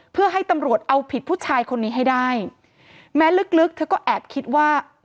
เพื่อให้ตำรวจเอาผิดผู้ชายคนนี้ให้ได้แม้ลึกลึกเธอก็แอบคิดว่า